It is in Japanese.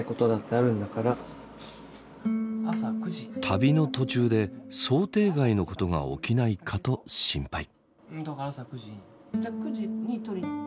旅の途中で想定外のことが起きないかと心配。